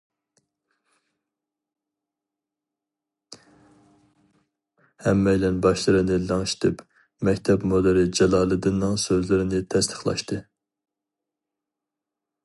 ھەممەيلەن باشلىرىنى لىڭشىتىپ مەكتەپ مۇدىرى جالالىدىننىڭ سۆزلىرىنى تەستىقلاشتى.